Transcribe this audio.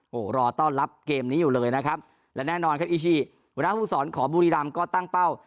โอ้โหรอต้อนรับเกมนี้อยู่เลยนะครับและแน่นอนครับอีชิหัวหน้าภูมิสอนของบุรีรำก็ตั้งเป้า